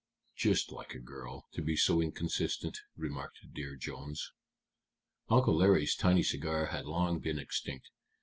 "Just like a girl to be so inconsistent," remarked Dear Jones. Uncle Larry's tiny cigar had long been extinct.